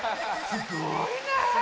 すごい。